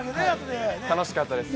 楽しかったです。